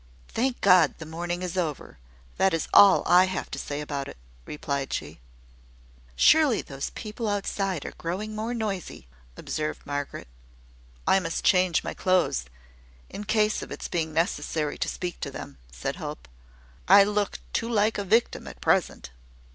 "Thank God, the morning is over! That is all I have to say about it," replied she. "Surely those people outside are growing more noisy!" observed Margaret. "I must change my clothes, in case of its being necessary to speak to them," said Hope. "I look too like a victim at present."